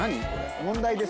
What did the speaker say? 問題です